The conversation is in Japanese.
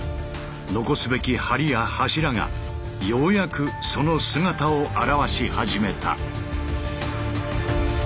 残すべき梁や柱がようやくその姿を現し始めた。